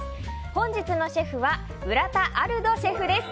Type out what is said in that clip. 本日のシェフは浦田アルドシェフです。